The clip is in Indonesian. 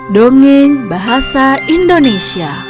dongeng bahasa indonesia